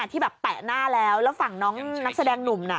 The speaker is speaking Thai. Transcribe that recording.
ที่แบบแตะหน้าแล้วแล้วฝั่งน้องนักแสดงหนุ่มน่ะ